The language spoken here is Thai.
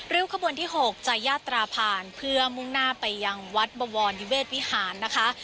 ขบวนที่๖จะยาตราผ่านเพื่อมุ่งหน้าไปยังวัดบวรนิเวศวิหารนะคะ